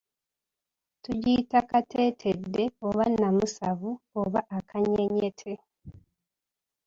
Tugiyita katetedde oba nnamusava oba akanyenyette.